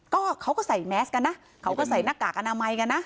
ก็เขาก็ใส่แมสกันนะเขาก็ใส่หน้ากากอนามัยกันนะ